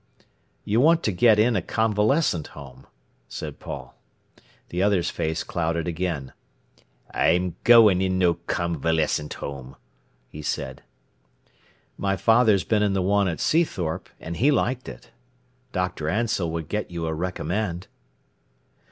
"You want to get in a convalescent home," said Paul. The other's face clouded again. "I'm goin' in no convalescent home," he said. "My father's been in the one at Seathorpe, an' he liked it. Dr. Ansell would get you a recommend."